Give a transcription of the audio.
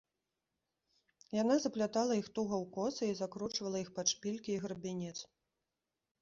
Яна заплятала іх туга ў косы і закручвала іх пад шпількі і грабянец.